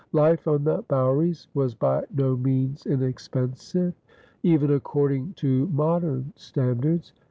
Life on the bouweries was by no means inexpensive, even according to modern standards.